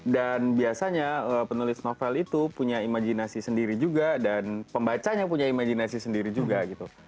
dan biasanya penulis novel itu punya imajinasi sendiri juga dan pembacanya punya imajinasi sendiri juga gitu